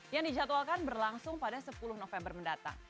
yang dijadwalkan berlangsung pada sepuluh november mendatang